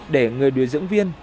để người đưa dưỡng viên